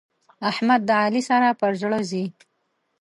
احمد د علي سره پر زړه ځي.